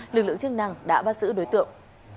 lực lượng chức năng đã bắt giữ đối tượng